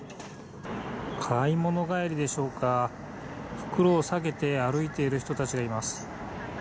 買い物帰りでしょうか、袋を提げて歩いている人たちがいます。